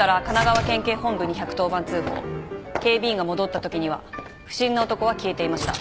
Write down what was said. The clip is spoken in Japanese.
警備員が戻ったときには不審な男は消えていました。